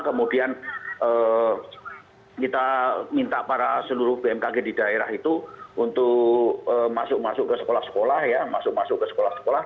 kemudian kita minta para seluruh bmkg di daerah itu untuk masuk masuk ke sekolah sekolah